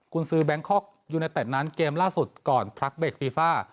คุณซื้อแบงคอกยูเนเต็ดนั้นเกมล่าสุดก่อนพลักเบรกฟีฟ่า